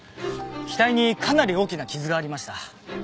額にかなり大きな傷がありました。